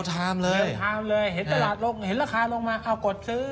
เห็นตลาดลงเห็นราคาลงมาเขากดซื้อ